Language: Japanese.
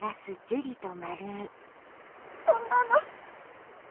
そんなの。